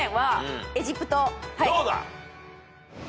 どうだ？